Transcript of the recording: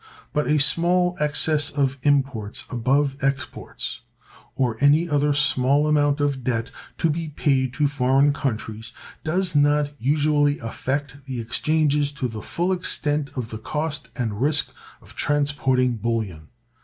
But a small excess of imports above exports, or any other small amount of debt to be paid to foreign countries, does not usually affect the exchanges to the full extent of the cost and risk of transporting bullion.